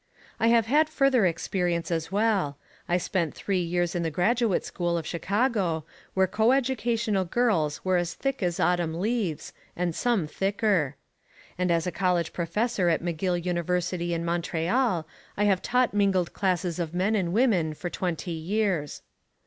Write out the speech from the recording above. I have had further experience as well. I spent three years in the graduate school of Chicago, where coeducational girls were as thick as autumn leaves, and some thicker. And as a college professor at McGill University in Montreal, I have taught mingled classes of men and women for twenty years.